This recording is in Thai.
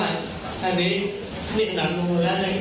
เราก็พยายามพิจักษ์ขอร้อง